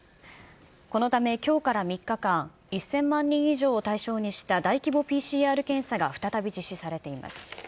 このためきょうから３日間、１０００万人以上を対象にした大規模ＰＣＲ検査が再び実施されています。